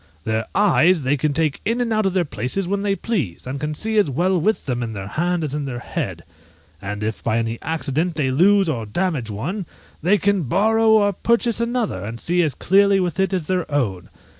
Their eyes they can take in and out of their places when they please, and can see as well with them in their hand as in their head! and if by any accident they lose or damage one, they can borrow or purchase another, and see as clearly with it as their own.